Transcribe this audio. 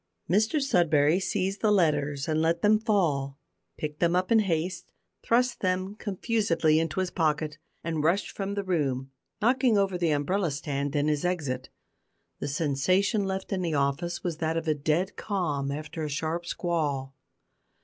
Mr Sudberry seized the letters and let them fall, picked them up in haste, thrust them confusedly into his pocket, and rushed from the room, knocking over the umbrella stand in his exit. The sensation left in the office was that of a dead calm after a sharp squall.